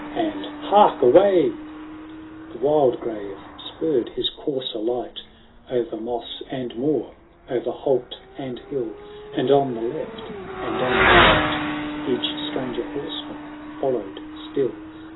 and, hark away !"b — XIII The Wildgrave spurred his courser light, O'er moss and moor, o'er holt and hill ; And on the left, and on the right, Each Stranger Horseman followed still.